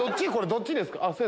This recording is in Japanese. どっちですか？